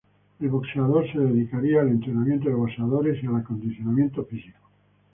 El boxeador se dedicaría al entrenamiento de boxeadores y al acondicionamiento físico.